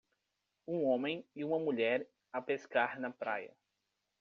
Um homem e uma mulher a pescar na praia.